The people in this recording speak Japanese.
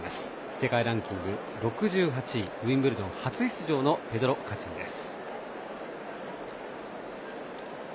世界ランキング６８位ウィンブルドン初出場のペドロ・カチンです。